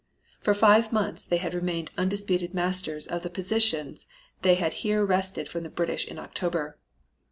For five months they had remained undisputed masters of the positions they had here wrested from the British in October.